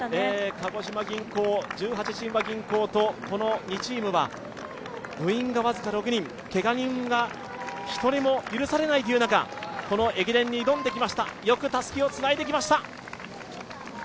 鹿児島銀行、十八親和銀行と、この２チームは部員が僅か６人、けが人が１人も許されないという中、この駅伝に挑んできました、よくたすきをつないできました。